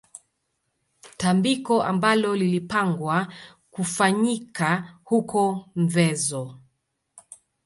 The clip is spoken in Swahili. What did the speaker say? Tambiko ambalo lilipangwa kufanyika huko Mvezo